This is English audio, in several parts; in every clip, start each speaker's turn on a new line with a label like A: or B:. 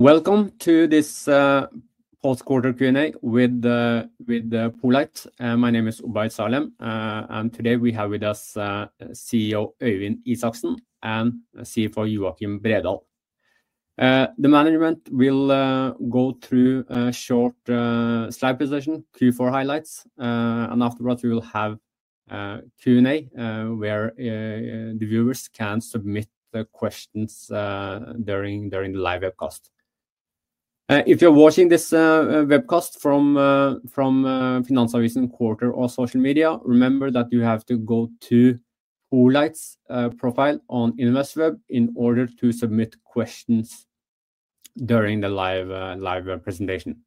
A: Welcome to this post-quarter Q&A with poLight. My name is Ubayd Salem, and today we have with us CEO Øyvind Isaksen and CFO Joakim Bredahl. The management will go through a short slide presentation, Q4 highlights, and afterwards we will have a Q&A where the viewers can submit questions during the live webcast. If you're watching this webcast from Finansavisen Quarter or social media, remember that you have to go to poLight's profile on Investweb in order to submit questions during the live presentation.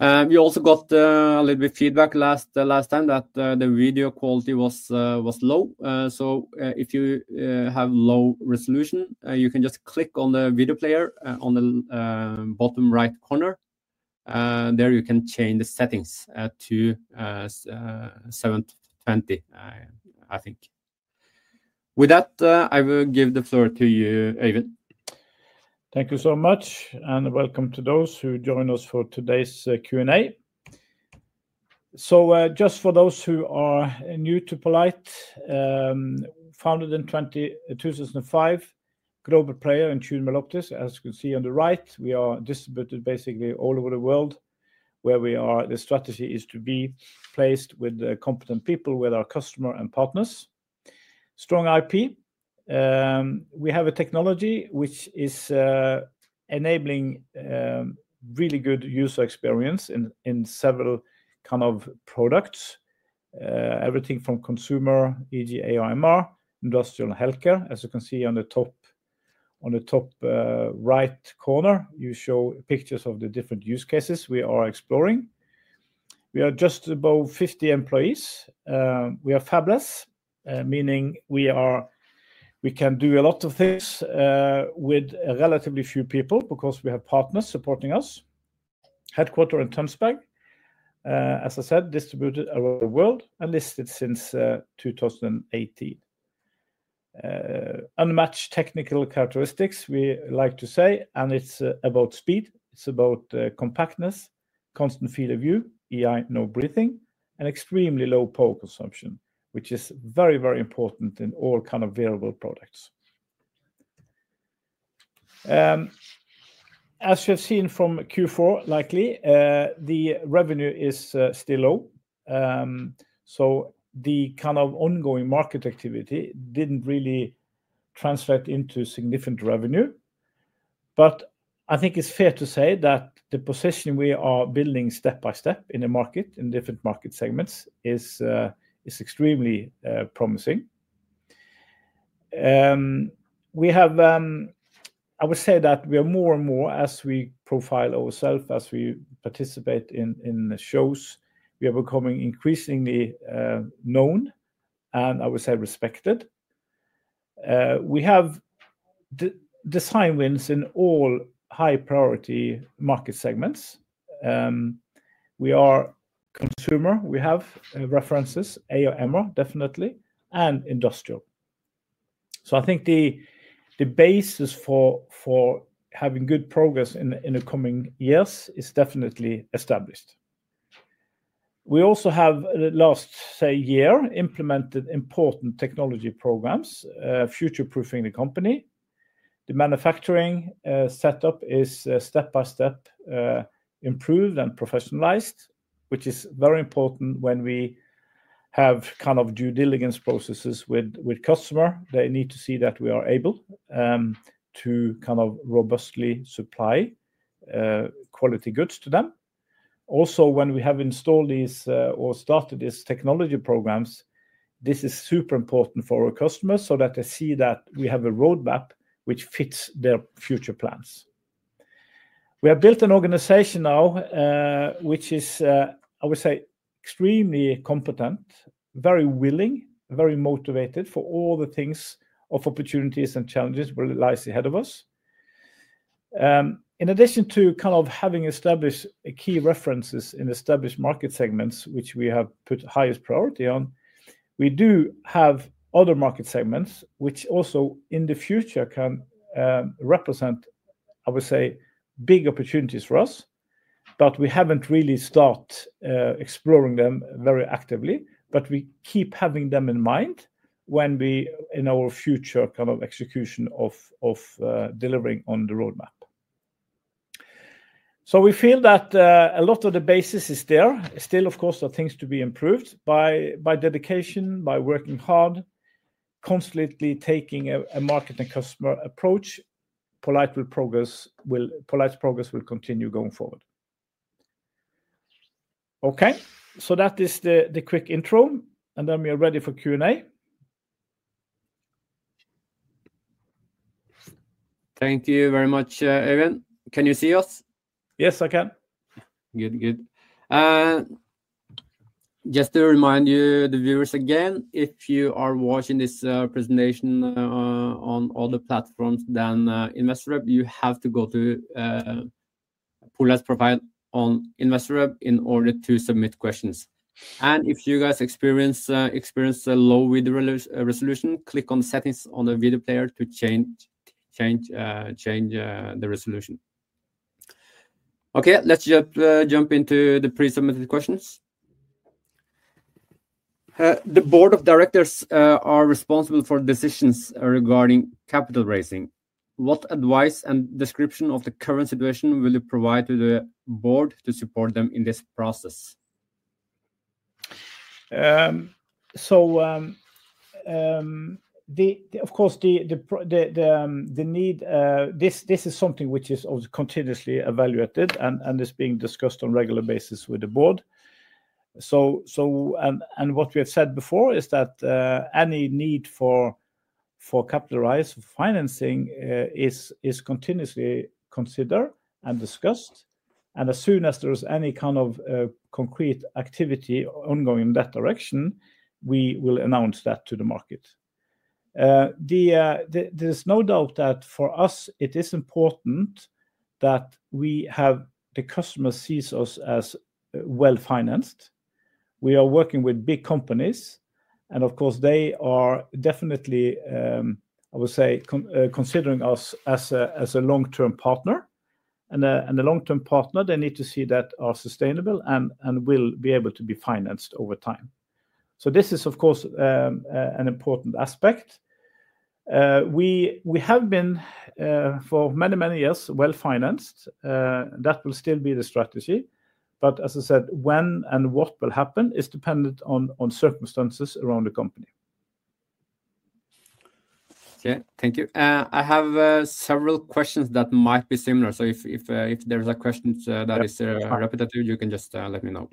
A: We also got a little bit of feedback last time that the video quality was low, so if you have low resolution, you can just click on the video player on the bottom right corner. There you can change the settings to 720, I think. With that, I will give the floor to you, Øyvind.
B: Thank you so much, and welcome to those who join us for today's Q&A. Just for those who are new to poLight, founded in 2005, global player in tunable optics. As you can see on the right, we are distributed basically all over the world where we are. The strategy is to be placed with competent people, with our customers and partners. Strong IP. We have a technology which is enabling really good user experience in several kinds of products. Everything from consumer, e.g., AR/MR, industrial healthcare. As you can see on the top right corner, you show pictures of the different use cases we are exploring. We are just above 50 employees. We are fabless, meaning we can do a lot of things with relatively few people because we have partners supporting us. Headquartered in Tønsberg, as I said, distributed around the world and listed since 2018. Unmatched technical characteristics, we like to say, and it's about speed. It's about compactness, constant field of view, EI, no breathing, and extremely low power consumption, which is very, very important in all kinds of variable products. As you have seen from Q4, likely the revenue is still low. The kind of ongoing market activity didn't really translate into significant revenue. I think it's fair to say that the position we are building step by step in the market, in different market segments, is extremely promising. I would say that we are more and more, as we profile ourselves, as we participate in shows, we are becoming increasingly known and, I would say, respected. We have design wins in all high-priority market segments. We are consumer. We have references, AR/MR definitely, and industrial. I think the basis for having good progress in the coming years is definitely established. We also have, the last, say, year, implemented important technology programs, future-proofing the company. The manufacturing setup is step by step improved and professionalized, which is very important when we have kind of due diligence processes with customers. They need to see that we are able to kind of robustly supply quality goods to them. Also, when we have installed these or started these technology programs, this is super important for our customers so that they see that we have a roadmap which fits their future plans. We have built an organization now which is, I would say, extremely competent, very willing, very motivated for all the things of opportunities and challenges that lie ahead of us. In addition to kind of having established key references in established market segments, which we have put highest priority on, we do have other market segments which also in the future can represent, I would say, big opportunities for us. We have not really started exploring them very actively, but we keep having them in mind when we in our future kind of execution of delivering on the roadmap. We feel that a lot of the basis is there. Still, of course, there are things to be improved by dedication, by working hard, constantly taking a market and customer approach. poLight will progress will continue going forward. Okay, that is the quick intro, and then we are ready for Q&A.
A: Thank you very much, Øyvind. Can you see us?
B: Yes, I can.
A: Good, good. Just to remind you, the viewers again, if you are watching this presentation on all the platforms than Investorweb, you have to go to poLight's profile on Investorweb in order to submit questions. If you guys experience low video resolution, click on the settings on the video player to change the resolution. Okay, let's jump into the pre-submitted questions. The board of directors are responsible for decisions regarding capital raising. What advice and description of the current situation will you provide to the board to support them in this process?
B: Of course, the need, this is something which is continuously evaluated and is being discussed on a regular basis with the board. What we have said before is that any need for capital rise financing is continuously considered and discussed. As soon as there is any kind of concrete activity ongoing in that direction, we will announce that to the market. There is no doubt that for us, it is important that the customer sees us as well-financed. We are working with big companies, and of course, they are definitely, I would say, considering us as a long-term partner. A long-term partner, they need to see that we are sustainable and will be able to be financed over time. This is, of course, an important aspect. We have been for many, many years well-financed. That will still be the strategy. As I said, when and what will happen is dependent on circumstances around the company.
A: Okay, thank you. I have several questions that might be similar. If there's a question that is repetitive, you can just let me know.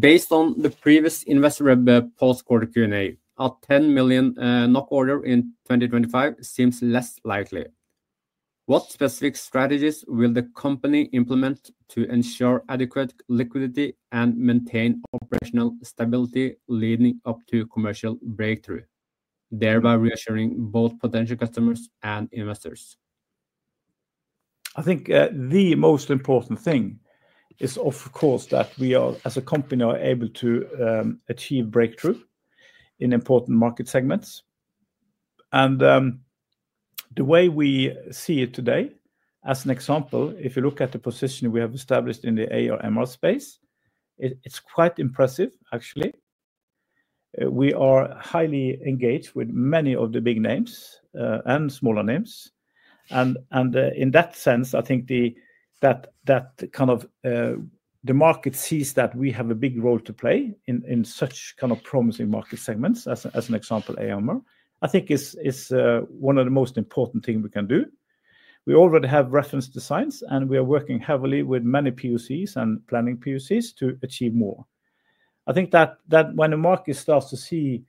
A: Based on the previous Investorweb post-quarter Q&A, a 10 million NOK order in 2025 seems less likely. What specific strategies will the company implement to ensure adequate liquidity and maintain operational stability leading up to commercial breakthrough, thereby reassuring both potential customers and investors?
B: I think the most important thing is, of course, that we are, as a company, able to achieve breakthrough in important market segments. The way we see it today, as an example, if you look at the position we have established in the AR/MR space, it's quite impressive, actually. We are highly engaged with many of the big names and smaller names. In that sense, I think that kind of the market sees that we have a big role to play in such kind of promising market segments, as an example, AR/MR, I think is one of the most important things we can do. We already have reference designs, and we are working heavily with many PoCs and planning PoCs to achieve more. I think that when the market starts to see,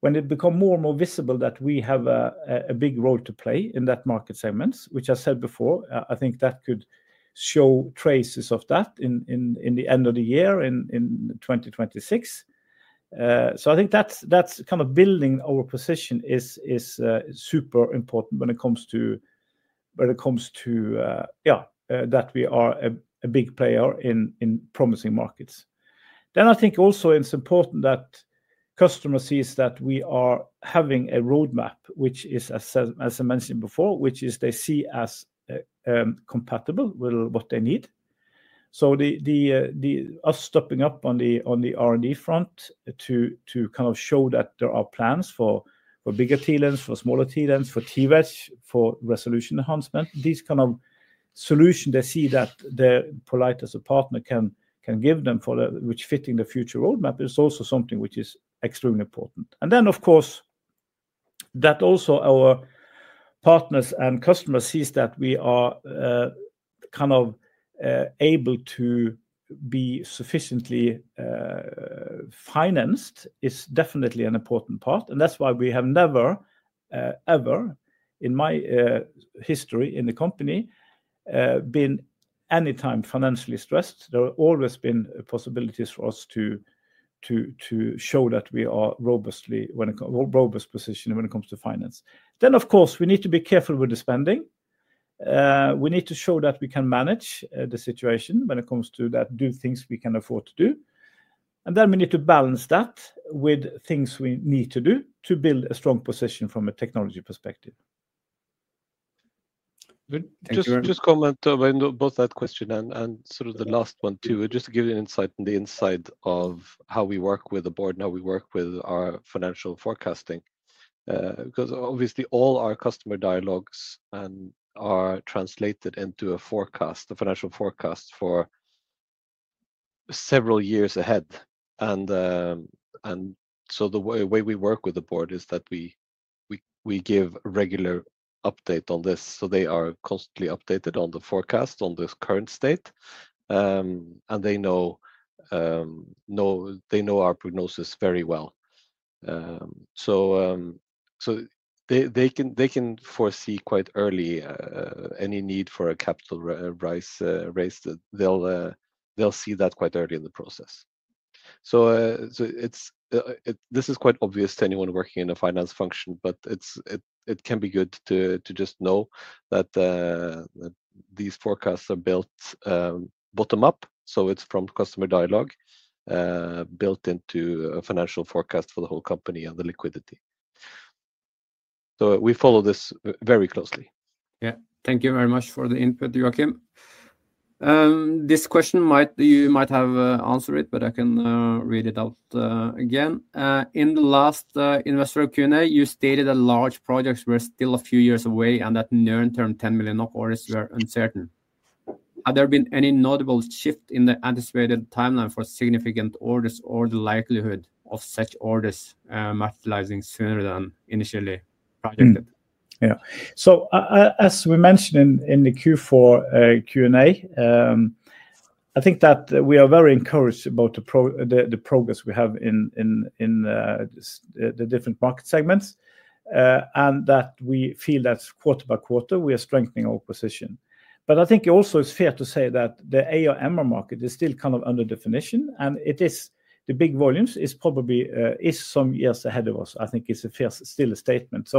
B: when it becomes more and more visible that we have a big role to play in that market segments, which I said before, I think that could show traces of that in the end of the year in 2026. I think that's kind of building our position is super important when it comes to, yeah, that we are a big player in promising markets. I think also it's important that customers see that we are having a roadmap, which is, as I mentioned before, which they see as compatible with what they need. Us stepping up on the R&D front to kind of show that there are plans for bigger TLens, for smaller TLens, for TWedge, for resolution enhancement, these kind of solutions they see that poLight as a partner can give them for which fitting the future roadmap is also something which is extremely important. Of course, that also our partners and customers see that we are kind of able to be sufficiently financed is definitely an important part. That is why we have never, ever in my history in the company been anytime financially stressed. There have always been possibilities for us to show that we are robustly positioned when it comes to finance. Of course, we need to be careful with the spending. We need to show that we can manage the situation when it comes to that, do things we can afford to do. We need to balance that with things we need to do to build a strong position from a technology perspective.
C: Just comment on both that question and sort of the last one too, just to give you an insight on the inside of how we work with the board and how we work with our financial forecasting. Because obviously all our customer dialogues are translated into a forecast, a financial forecast for several years ahead. The way we work with the board is that we give regular updates on this. They are constantly updated on the forecast, on the current state. They know our prognosis very well. They can foresee quite early any need for a capital raise. They will see that quite early in the process. This is quite obvious to anyone working in a finance function, but it can be good to just know that these forecasts are built bottom up. It is from customer dialogue built into a financial forecast for the whole company and the liquidity. We follow this very closely.
A: Yeah, thank you very much for the input, Joakim. This question you might have answered it, but I can read it out again. In the last investor Q&A, you stated that large projects were still a few years away and that near-term 10 million orders were uncertain. Have there been any notable shift in the anticipated timeline for significant orders or the likelihood of such orders materializing sooner than initially projected?
B: Yeah. As we mentioned in the Q4 Q&A, I think that we are very encouraged about the progress we have in the different market segments and that we feel that quarter by quarter we are strengthening our position. I think it also is fair to say that the AR/MR market is still kind of under definition and the big volumes is probably some years ahead of us. I think it's still a statement.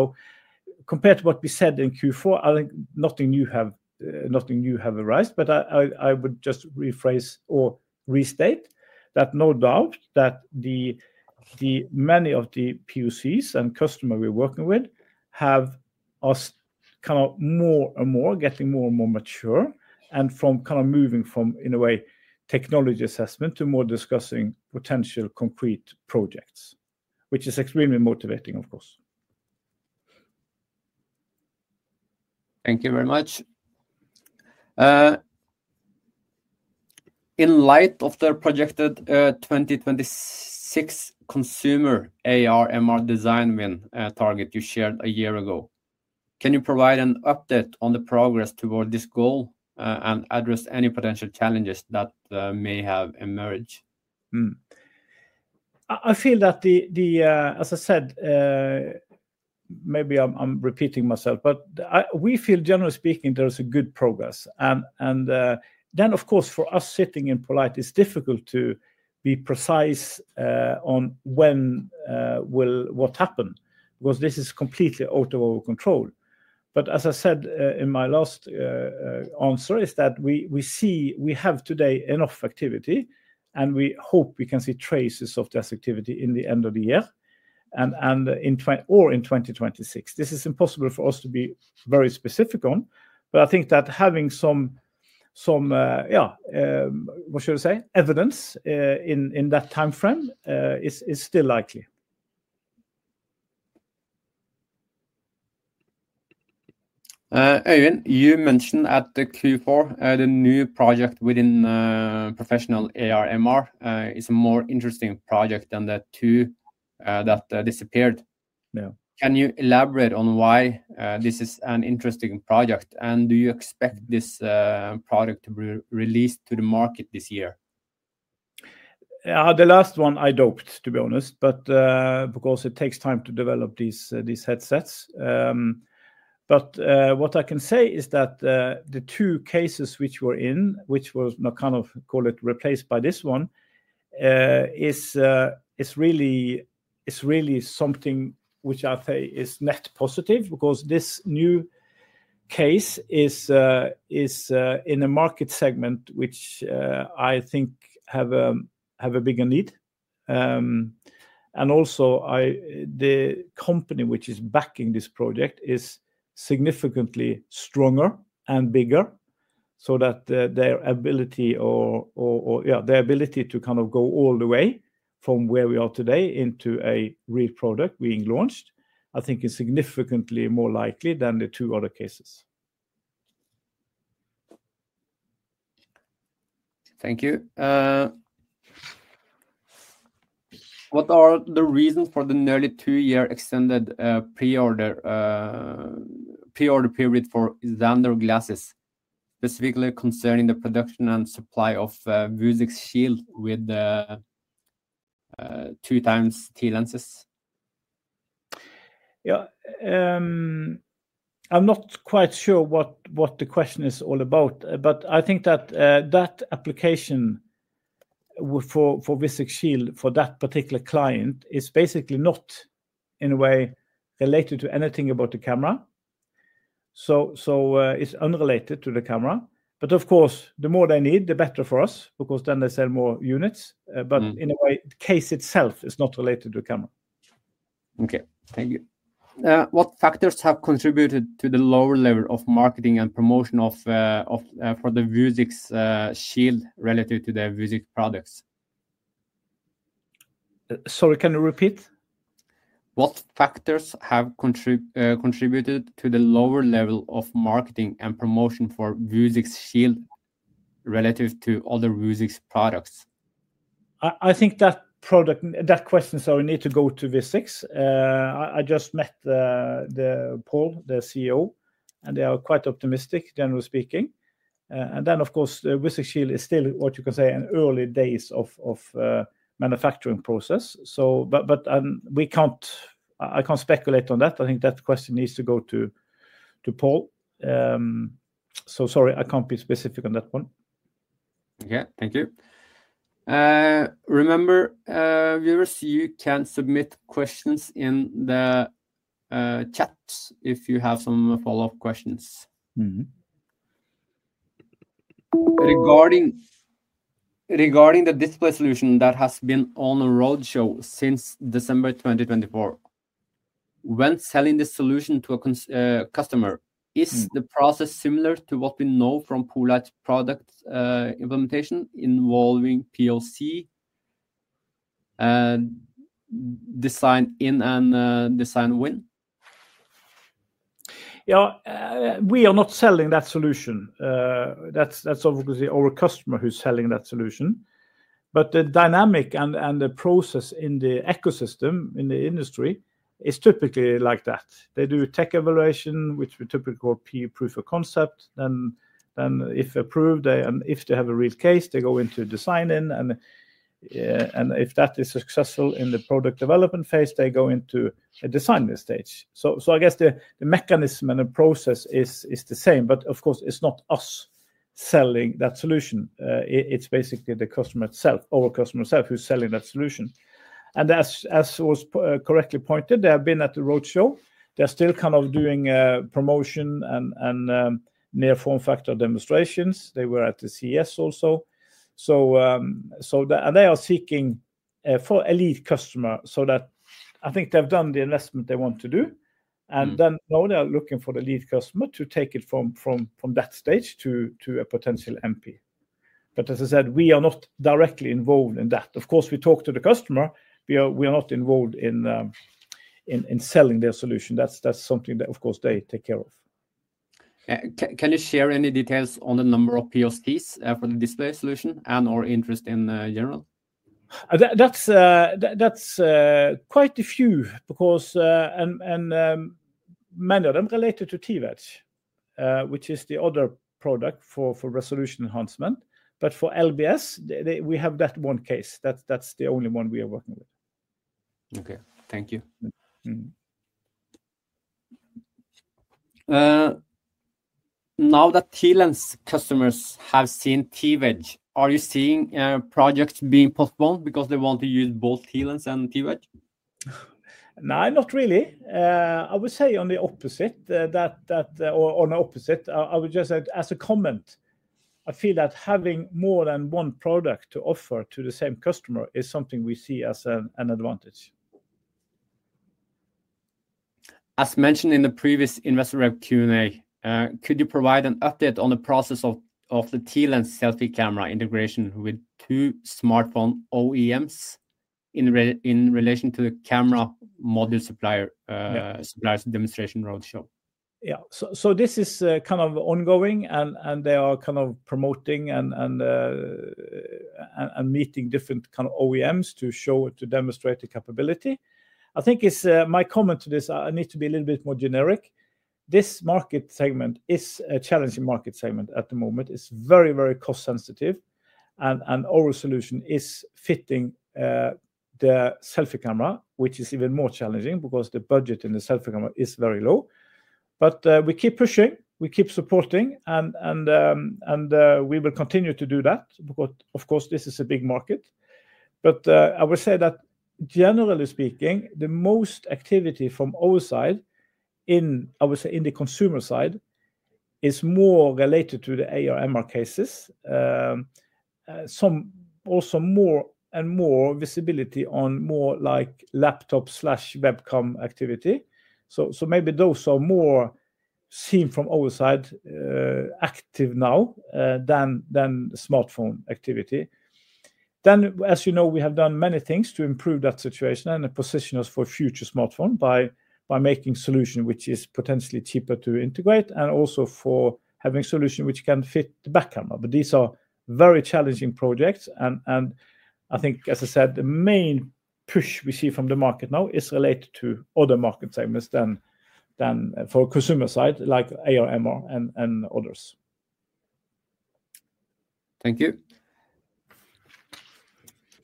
B: Compared to what we said in Q4, I think nothing new has arised. I would just rephrase or restate that no doubt that many of the PoCs and customers we're working with have us kind of more and more getting more and more mature and from kind of moving from, in a way, technology assessment to more discussing potential concrete projects, which is extremely motivating, of course.
A: Thank you very much. In light of the projected 2026 consumer AR/MR design win target you shared a year ago, can you provide an update on the progress toward this goal and address any potential challenges that may have emerged?
B: I feel that, as I said, maybe I'm repeating myself, but we feel, generally speaking, there is good progress. Of course, for us sitting in poLight, it's difficult to be precise on when will what happen because this is completely out of our control. As I said in my last answer, we see we have today enough activity and we hope we can see traces of this activity in the end of the year or in 2026. This is impossible for us to be very specific on, but I think that having some, yeah, what should I say, evidence in that timeframe is still likely.
A: Øyvind, you mentioned at the Q4, the new project within professional AR/MR is a more interesting project than the two that disappeared. Can you elaborate on why this is an interesting project and do you expect this product to be released to the market this year?
B: The last one I doubt, to be honest, because it takes time to develop these headsets. What I can say is that the two cases which we're in, which we're kind of call it replaced by this one, is really something which I say is net positive because this new case is in a market segment which I think have a bigger need. Also, the company which is backing this project is significantly stronger and bigger so that their ability or their ability to kind of go all the way from where we are today into a real product being launched, I think is significantly more likely than the two other cases.
A: Thank you. What are the reasons for the nearly two-year extended pre-order period for Xander glasses, specifically concerning the production and supply of Vuzix Shield with 2x TLens?
B: Yeah, I'm not quite sure what the question is all about, but I think that that application for Vuzix Shield for that particular client is basically not in a way related to anything about the camera. It is unrelated to the camera. Of course, the more they need, the better for us because then they sell more units. In a way, the case itself is not related to the camera.
A: Okay, thank you. What factors have contributed to the lower level of marketing and promotion for the Vuzix Shield relative to their Vuzix products?
B: Sorry, can you repeat?
A: What factors have contributed to the lower level of marketing and promotion for Vuzix Shield relative to other Vuzix products?
B: I think that question, sorry, needs to go to Vuzix. I just met Paul, the CEO, and they are quite optimistic, generally speaking. Vuzix Shield is still, what you can say, in early days of manufacturing process. I cannot speculate on that. I think that question needs to go to Paul. Sorry, I cannot be specific on that one.
A: Okay, thank you. Remember, viewers, you can submit questions in the chat if you have some follow-up questions. Regarding the display solution that has been on a roadshow since December 2024, when selling the solution to a customer, is the process similar to what we know from poLight product implementation involving PoC design in and design win?
B: Yeah, we are not selling that solution. That's obviously our customer who's selling that solution. The dynamic and the process in the ecosystem in the industry is typically like that. They do tech evaluation, which we typically call proof of concept. If approved, and if they have a real case, they go into designing. If that is successful in the product development phase, they go into a design stage. I guess the mechanism and the process is the same. Of course, it's not us selling that solution. It's basically the customer itself, our customer itself who's selling that solution. As was correctly pointed, they have been at the roadshow. They're still kind of doing promotion and near-form factor demonstrations. They were at the CES also. They are seeking for a lead customer so that I think they've done the investment they want to do. Now they're looking for the lead customer to take it from that stage to a potential MP. As I said, we are not directly involved in that. Of course, we talk to the customer. We are not involved in selling their solution. That's something that, of course, they take care of.
A: Can you share any details on the number of PoCs for the display solution and/or interest in general?
B: That's quite a few because many of them related to TWedge, which is the other product for resolution enhancement. For LBS, we have that one case. That's the only one we are working with.
A: Okay, thank you. Now that TLens customers have seen TWedge, are you seeing projects being postponed because they want to use both TLens and TWedge?
B: No, not really. I would say on the opposite. Or on the opposite, I would just say as a comment, I feel that having more than one product to offer to the same customer is something we see as an advantage.
A: As mentioned in the previous investor Q&A, could you provide an update on the process of the TLens selfie camera integration with two smartphone OEMs in relation to the camera module suppliers demonstration roadshow?
B: Yeah, this is kind of ongoing and they are kind of promoting and meeting different OEMs to demonstrate the capability. I think my comment to this, I need to be a little bit more generic. This market segment is a challenging market segment at the moment. It is very, very cost sensitive. Our solution is fitting the selfie camera, which is even more challenging because the budget in the selfie camera is very low. We keep pushing, we keep supporting, and we will continue to do that because, of course, this is a big market. I will say that generally speaking, the most activity from our side in, I would say, in the consumer side is more related to the AR/MR cases. Some also more and more visibility on more like laptop/webcam activity. Maybe those are more seen from our side active now than smartphone activity. As you know, we have done many things to improve that situation and position us for future smartphone by making solution which is potentially cheaper to integrate and also for having solution which can fit the back camera. These are very challenging projects. I think, as I said, the main push we see from the market now is related to other market segments than for consumer side like AR/MR and others.
A: Thank you.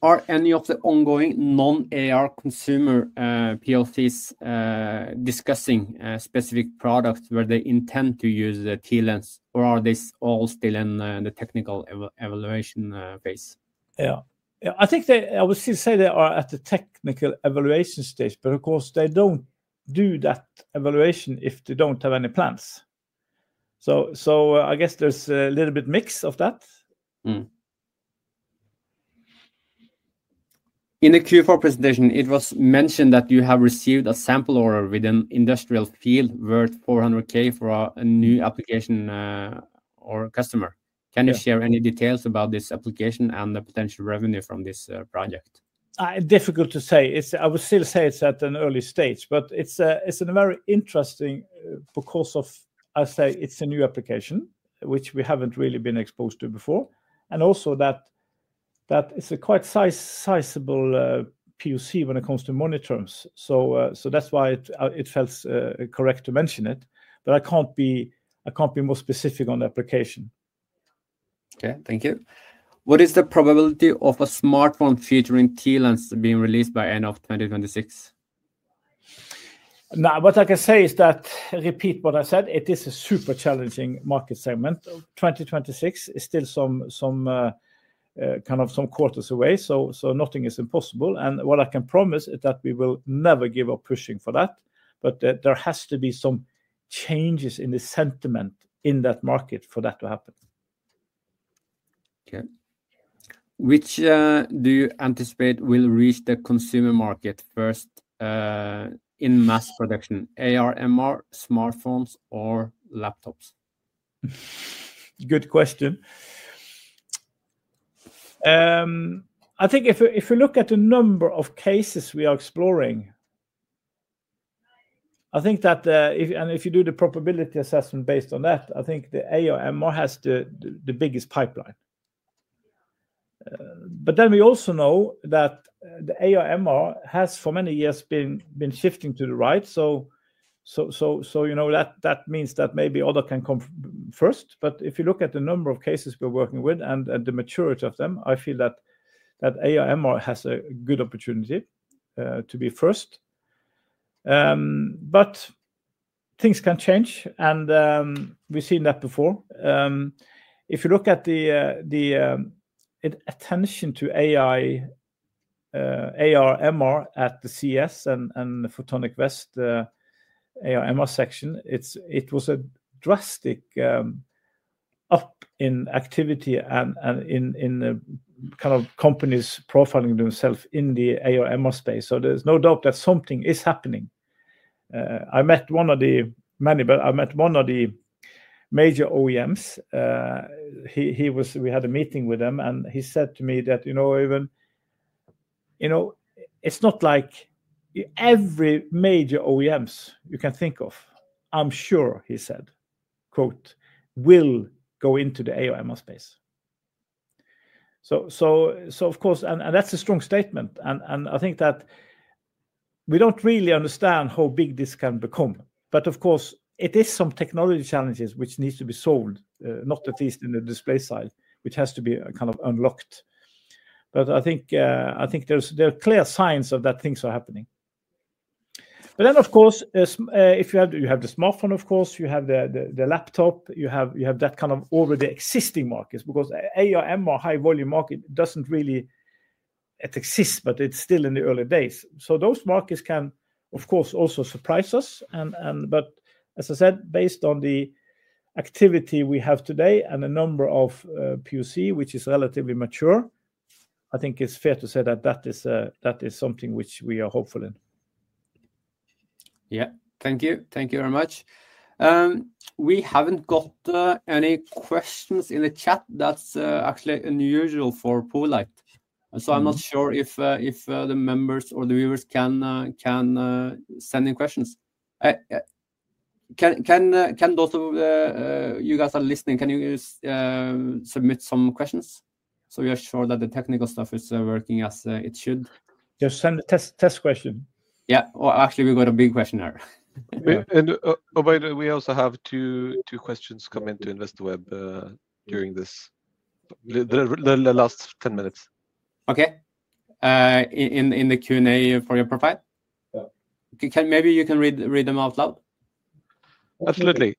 A: Are any of the ongoing non-AR consumer PoCs discussing specific products where they intend to use the TLens? Or are these all still in the technical evaluation phase?
B: Yeah, I think I would still say they are at the technical evaluation stage, but of course, they don't do that evaluation if they don't have any plans. I guess there's a little bit mix of that.
A: In the Q4 presentation, it was mentioned that you have received a sample order with an industrial field worth 400,000 for a new application or customer. Can you share any details about this application and the potential revenue from this project?
B: Difficult to say. I would still say it's at an early stage, but it's very interesting because, I say, it's a new application, which we haven't really been exposed to before. Also, it's a quite sizable PoC when it comes to monitors. That is why it felt correct to mention it. I can't be more specific on the application.
A: Okay, thank you. What is the probability of a smartphone featuring TLens being released by the end of 2026?
B: Now, what I can say is that, repeat what I said, it is a super challenging market segment. 2026 is still kind of some quarters away. Nothing is impossible. What I can promise is that we will never give up pushing for that. There has to be some changes in the sentiment in that market for that to happen.
A: Okay. Which do you anticipate will reach the consumer market first in mass production, ARMR, smartphones, or laptops?
B: Good question. I think if you look at the number of cases we are exploring, I think that, and if you do the probability assessment based on that, I think the AR/MR has the biggest pipeline. I think we also know that the AR/MR has for many years been shifting to the right. That means that maybe other can come first. If you look at the number of cases we're working with and the maturity of them, I feel that AR/MR has a good opportunity to be first. Things can change, and we've seen that before. If you look at the attention to ARMR at the CES and the Photonics West AR/MR section, it was a drastic up in activity and in kind of companies profiling themselves in the AR/MR space. There's no doubt that something is happening. I met one of the many, but I met one of the major OEMs. We had a meeting with them, and he said to me that, you know, it's not like every major OEMs you can think of, I'm sure, he said, quote, will go into the AR/MR space. Of course, and that's a strong statement. I think that we don't really understand how big this can become. Of course, it is some technology challenges which need to be solved, not at least in the display side, which has to be kind of unlocked. I think there are clear signs of that things are happening. Of course, if you have the smartphone, of course, you have the laptop, you have that kind of already existing markets because AR/MR, high-volume market, doesn't really exist, but it's still in the early days. Those markets can, of course, also surprise us. As I said, based on the activity we have today and the number of PoC, which is relatively mature, I think it's fair to say that that is something which we are hopeful in.
A: Yeah, thank you. Thank you very much. We haven't got any questions in the chat. That's actually unusual for poLight. I am not sure if the members or the viewers can send in questions. Can those of you guys that are listening, can you submit some questions so we are sure that the technical stuff is working as it should?
B: Just send a test question.
A: Yeah, well, actually, we've got a big question here.
C: We also have two questions come in to Investorweb during this, the last 10 minutes.
A: Okay. In the Q&A for your profile?
C: Yeah.
A: Maybe you can read them out loud?
C: Absolutely.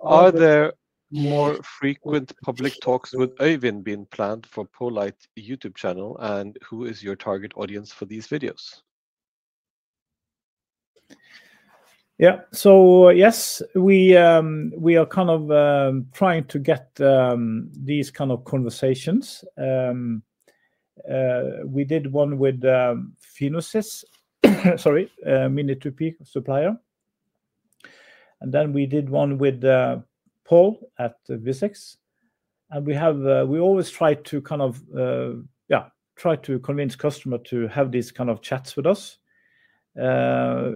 C: Are there more frequent public talks with Øyvind being planned for poLight YouTube channel? Who is your target audience for these videos?
B: Yeah, so yes, we are kind of trying to get these kind of conversations. We did one with a Mini2P supplier. And then we did one with Paul at Vuzix. We always try to kind of, yeah, try to convince customers to have these kind of chats with us or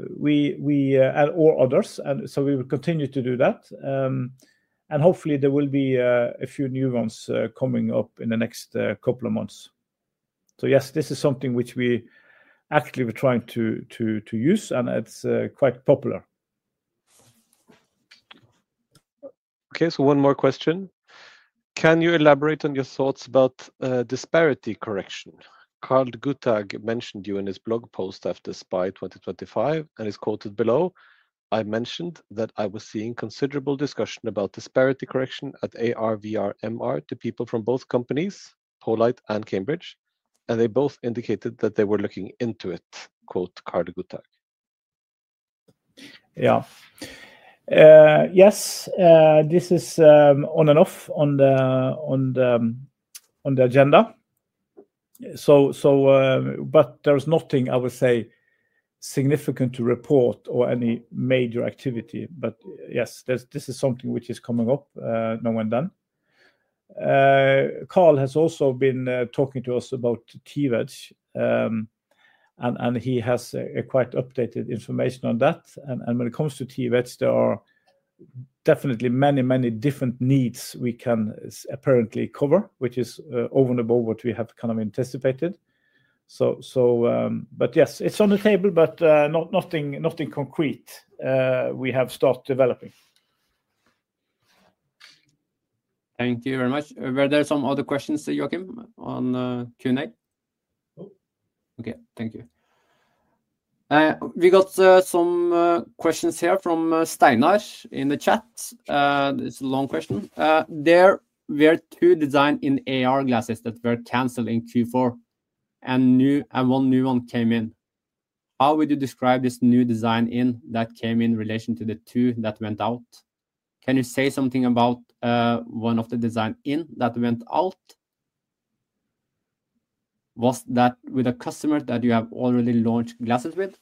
B: others. We will continue to do that. Hopefully, there will be a few new ones coming up in the next couple of months. Yes, this is something which we actually were trying to use, and it's quite popular.
C: Okay, so one more question. Can you elaborate on your thoughts about disparity correction? Karl Guttag mentioned you in his blog post after SPIE 2025, and he's quoted below. I mentioned that I was seeing considerable discussion about disparity correction at ARVRMR, the people from both companies, poLight and Cambridge. And they both indicated that they were looking into it, quote, Karl Guttag.
B: Yeah. Yes, this is on and off on the agenda. There is nothing, I would say, significant to report or any major activity. Yes, this is something which is coming up now and then. Carl has also been talking to us about TWedge, and he has quite updated information on that. When it comes to TWedge, there are definitely many, many different needs we can apparently cover, which is over and above what we have kind of anticipated. Yes, it is on the table, but nothing concrete we have started developing.
A: Thank you very much. Were there some other questions, Joakim, on Q&A?
C: No.
A: Okay, thank you. We got some questions here from Steinar in the chat. It's a long question. There were two designs in AR glasses that were canceled in Q4, and one new one came in. How would you describe this new design in that came in relation to the two that went out? Can you say something about one of the designs in that went out? Was that with a customer that you have already launched glasses with?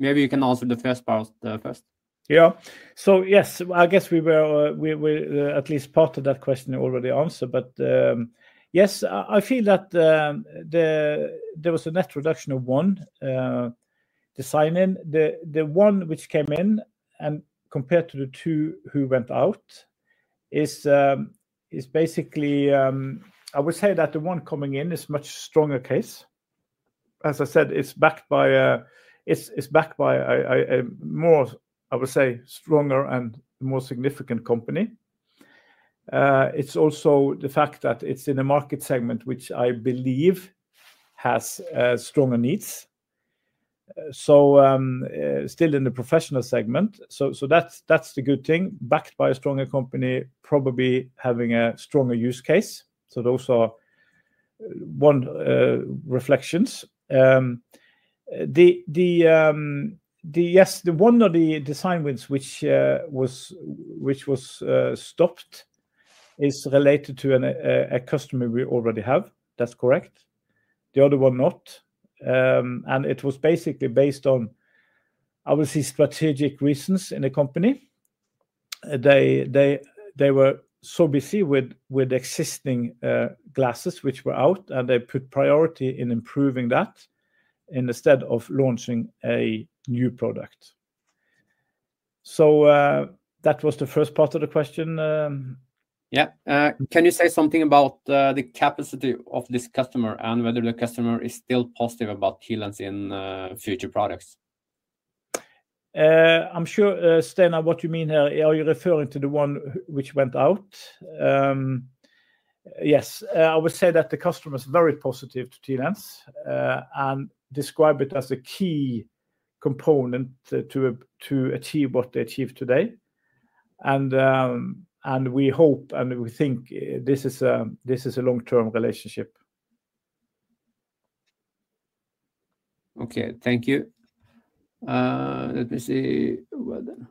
A: Maybe you can answer the first part first.
B: Yeah. Yes, I guess we were at least part of that question already answered. Yes, I feel that there was a net reduction of one design in. The one which came in and compared to the two who went out is basically, I would say that the one coming in is a much stronger case. As I said, it's backed by a more, I would say, stronger and more significant company. It's also the fact that it's in a market segment which I believe has stronger needs. Still in the professional segment. That's the good thing, backed by a stronger company, probably having a stronger use case. Those are one reflections. Yes, the one of the design wins which was stopped is related to a customer we already have. That's correct. The other one not. It was basically based on, I would say, strategic reasons in the company. They were so busy with existing glasses which were out, and they put priority in improving that instead of launching a new product. That was the first part of the question.
A: Yeah. Can you say something about the capacity of this customer and whether the customer is still positive about TLens in future products?
B: I'm sure, Steinar, what you mean here, are you referring to the one which went out? Yes, I would say that the customer is very positive to TLens and describes it as a key component to achieve what they achieved today. We hope and we think this is a long-term relationship.
A: Okay, thank you. Let me see what then.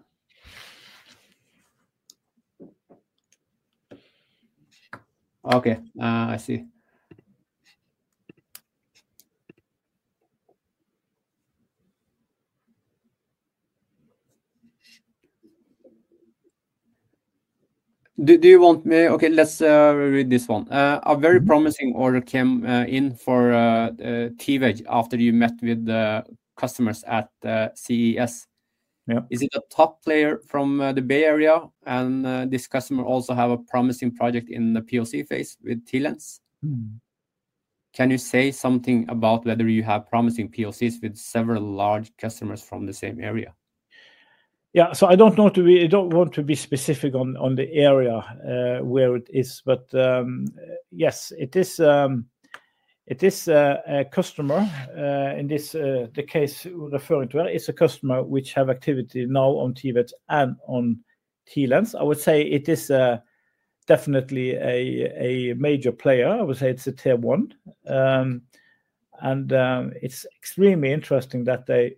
A: Okay, I see. Do you want me? Okay, let's read this one. A very promising order came in for TWedge after you met with customers at CES. Is it a top player from the Bay Area? This customer also has a promising project in the PoC phase with TLens. Can you say something about whether you have promising PoCs with several large customers from the same area?
B: Yeah, I do not want to be specific on the area where it is. Yes, it is a customer in this case referring to it. It is a customer which has activity now on TWedge and on TLens. I would say it is definitely a major player. I would say it is a tier one. It is extremely interesting that they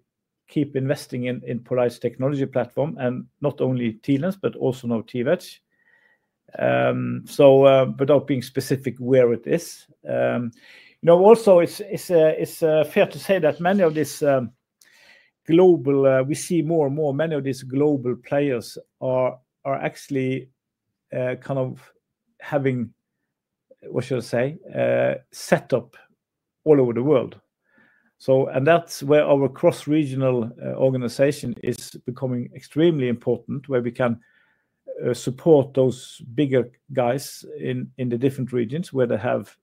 B: keep investing in poLight Technology Platform and not only TLens, but also now TWedge. Without being specific where it is, it is fair to say that many of these global, we see more and more many of these global players are actually kind of having, what should I say, set up all over the world. That is where our cross-regional organization is becoming extremely important, where we can support those bigger guys in the different regions where they have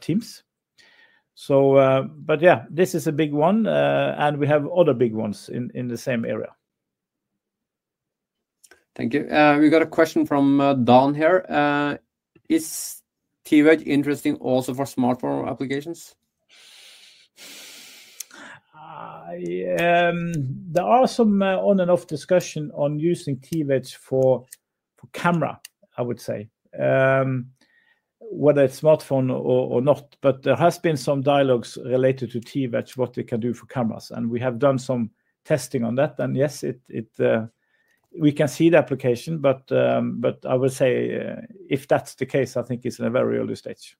B: teams. Yeah, this is a big one. We have other big ones in the same area.
A: Thank you. We've got a question from Don here. Is TWedge interesting also for smartphone applications?
B: There are some on-and-off discussions on using TWedge for camera, I would say, whether it's smartphone or not. There have been some dialogues related to TWedge, what they can do for cameras. We have done some testing on that. Yes, we can see the application. I would say if that's the case, I think it's in a very early stage.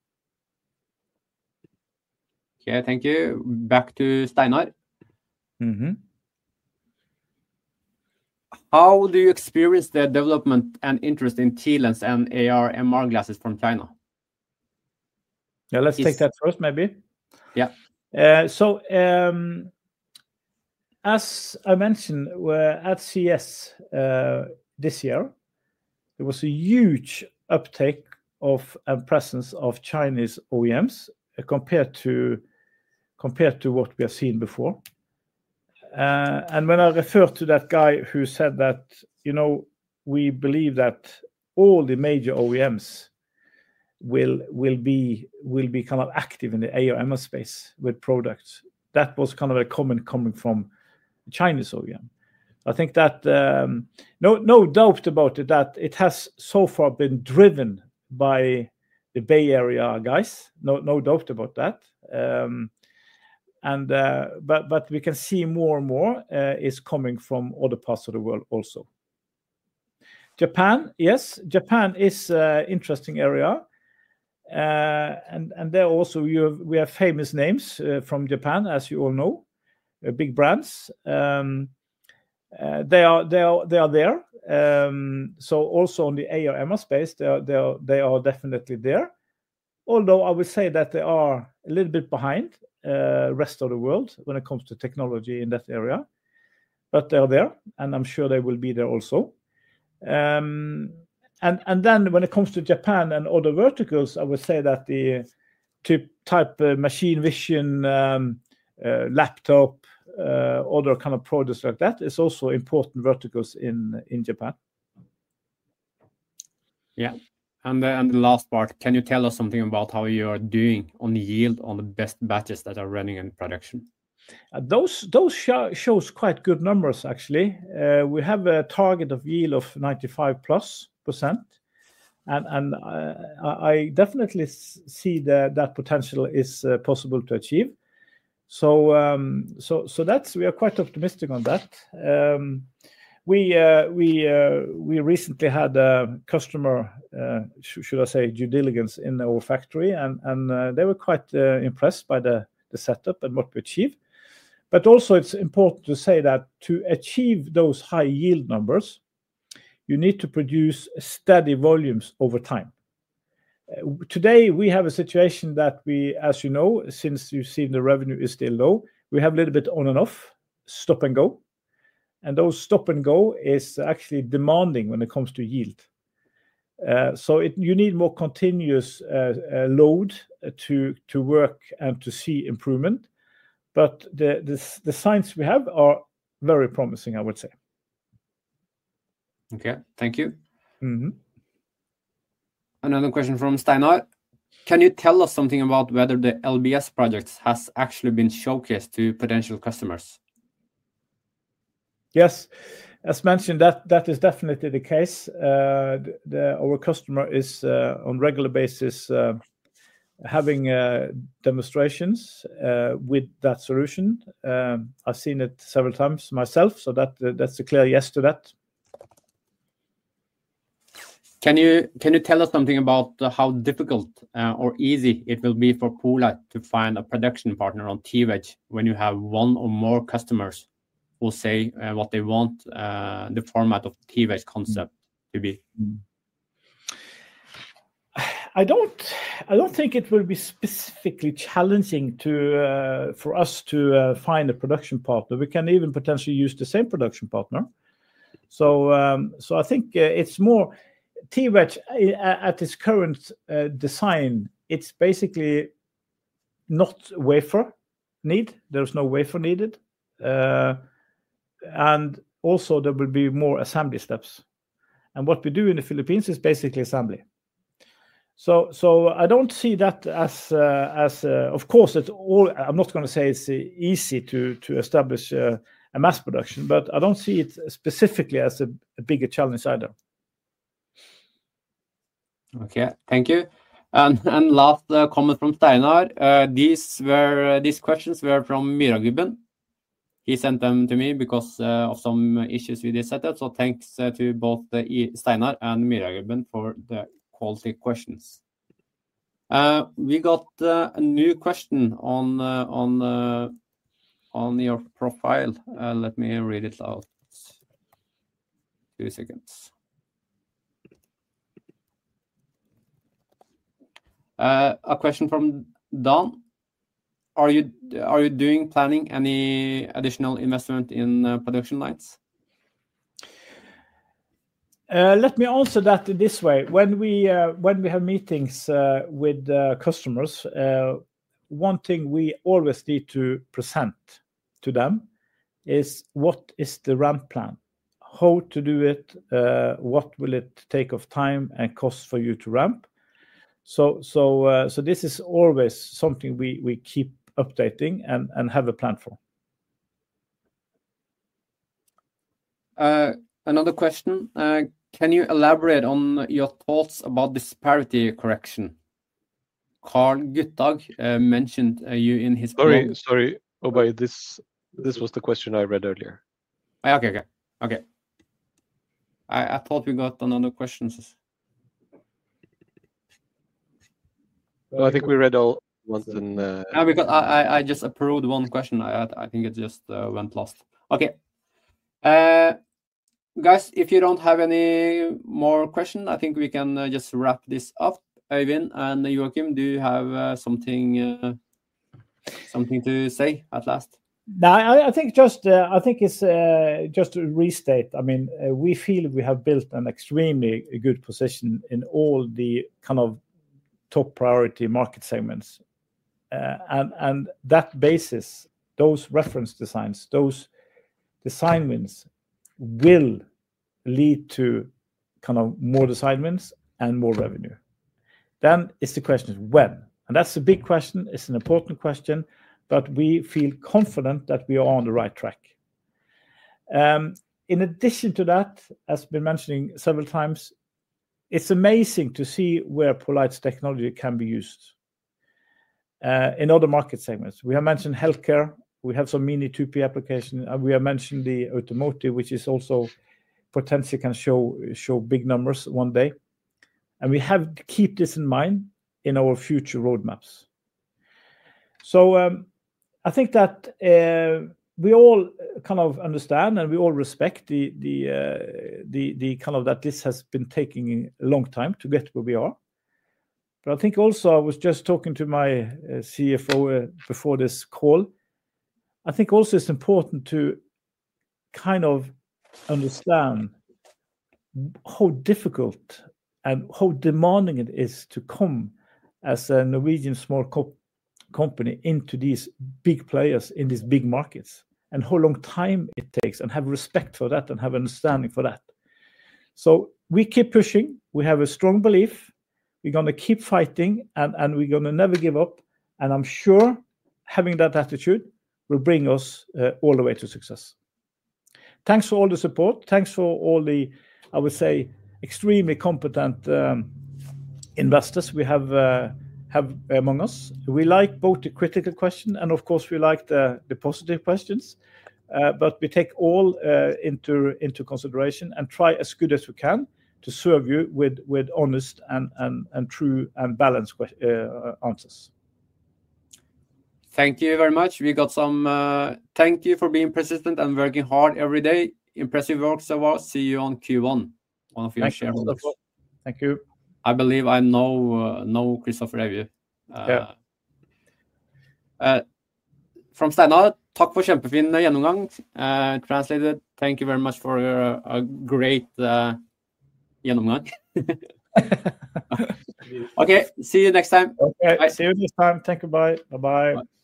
A: Okay, thank you. Back to Steinar. How do you experience the development and interest in TLens and ARMR glasses from China?
B: Yeah, let's take that first, maybe.
A: Yeah.
B: As I mentioned, at CES this year, there was a huge uptake of and presence of Chinese OEMs compared to what we have seen before. When I referred to that guy who said that, you know, we believe that all the major OEMs will be kind of active in the ARMR space with products, that was kind of a comment coming from a Chinese OEM. I think that no doubt about it that it has so far been driven by the Bay Area guys. No doubt about that. We can see more and more is coming from other parts of the world also. Japan, yes, Japan is an interesting area. There also, we have famous names from Japan, as you all know, big brands. They are there. In the ARMR space, they are definitely there. Although I would say that they are a little bit behind the rest of the world when it comes to technology in that area. They are there, and I'm sure they will be there also. When it comes to Japan and other verticals, I would say that the type machine vision, laptop, other kind of products like that is also important verticals in Japan.
A: Yeah. The last part, can you tell us something about how you are doing on yield on the best batches that are running in production?
B: Those show quite good numbers, actually. We have a target of yield of 95%+. I definitely see that potential is possible to achieve. We are quite optimistic on that. We recently had a customer, should I say, due diligence in our factory. They were quite impressed by the setup and what we achieved. Also, it is important to say that to achieve those high yield numbers, you need to produce steady volumes over time. Today, we have a situation that we, as you know, since you have seen the revenue is still low, we have a little bit on and off, stop and go. Those stop and go is actually demanding when it comes to yield. You need more continuous load to work and to see improvement. The signs we have are very promising, I would say.
A: Okay, thank you. Another question from Steinar. Can you tell us something about whether the LBS projects have actually been showcased to potential customers?
B: Yes, as mentioned, that is definitely the case. Our customer is on a regular basis having demonstrations with that solution. I've seen it several times myself, so that's a clear yes to that.
A: Can you tell us something about how difficult or easy it will be for poLight to find a production partner on TWedge when you have one or more customers who say what they want the format of TWedge concept to be?
B: I don't think it will be specifically challenging for us to find a production partner. We can even potentially use the same production partner. I think it's more TWedge at its current design, it's basically not wafer need. There is no wafer needed. Also, there will be more assembly steps. What we do in the Philippines is basically assembly. I don't see that as, of course, I'm not going to say it's easy to establish a mass production, but I don't see it specifically as a bigger challenge either.
A: Okay, thank you. Last comment from Steinar. These questions were from Miragubben. He sent them to me because of some issues with his setup. Thanks to both Steinar and Miragubben for the quality questions. We got a new question on your profile. Let me read it out. Two seconds. A question from Don. Are you planning any additional investment in production lines?
B: Let me answer that this way. When we have meetings with customers, one thing we always need to present to them is what is the ramp plan, how to do it, what will it take of time and cost for you to ramp. This is always something we keep updating and have a plan for.
A: Another question. Can you elaborate on your thoughts about disparity correction? Karl Guttag mentioned you in his.
C: Sorry, this was the question I read earlier.
A: Okay, okay. I thought we got another question.
C: I think we read all once.
A: I just approved one question. I think it just went lost. Okay. Guys, if you do not have any more questions, I think we can just wrap this up. Evan and Joakim, do you have something to say at last?
B: I think just to restate, I mean, we feel we have built an extremely good position in all the kind of top priority market segments. On that basis, those reference designs, those assignments will lead to kind of more assignments and more revenue. The question is when. It is a big question. It is an important question. We feel confident that we are on the right track. In addition to that, as we've been mentioning several times, it is amazing to see where poLight technology can be used in other market segments. We have mentioned healthcare. We have some Mini2p application. We have mentioned the automotive, which also potentially can show big numbers one day. We have to keep this in mind in our future roadmaps. I think that we all kind of understand and we all respect the kind of that this has been taking a long time to get where we are. I think also, I was just talking to my CFO before this call. I think also it's important to kind of understand how difficult and how demanding it is to come as a Norwegian small company into these big players in these big markets and how long time it takes and have respect for that and have an understanding for that. We keep pushing. We have a strong belief. We're going to keep fighting and we're going to never give up. I'm sure having that attitude will bring us all the way to success. Thanks for all the support. Thanks for all the, I would say, extremely competent investors we have among us. We like both the critical questions and of course, we like the positive questions. We take all into consideration and try as good as we can to serve you with honest and true and balanced answers.
A: Thank you very much. We got some. Thank you for being persistent and working hard every day. Impressive work so far. See you on Q1. One of your shareholders.
B: Thank you.
A: I believe I know Christopher Ewan. From Steinar, takk for kjempefin gjennomgang. Translated, thank you very much for a great gjennomgang. Okay, see you next time.
B: Okay, see you next time. Thank you, bye. Bye-bye.